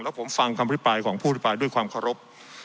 และฟังคำอภิกายของผู้อภิกายด้วยความค้ารพ